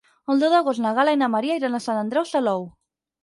El deu d'agost na Gal·la i na Maria iran a Sant Andreu Salou.